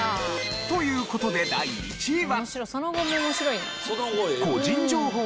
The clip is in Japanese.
という事で第１位は。